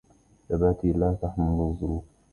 جبهتي لا تحمل الظل،